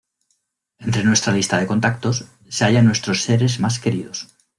entre nuestra lista de contactos se hallan nuestros seres más queridos